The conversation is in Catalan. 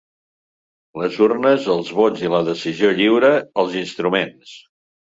Les urnes, els vots i la decisió lliure, els instruments.